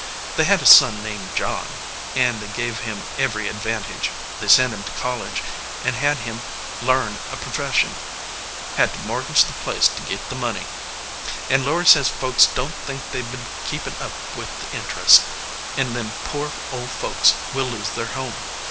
They had a son named John, an they give him every advantage. They sent him to college, an had him 1 arn a pro fession had to mortgage the place to git the money. "And Laury says folks don t think they ve been keepin up with the interest, an them poor old folks will lose their home.